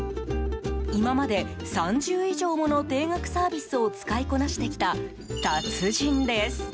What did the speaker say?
今まで３０以上もの定額サービスを使いこなしてきた達人です。